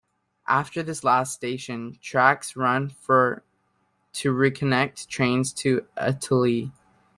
After this last station, tracks run for to reconnect trains to "Auteuil".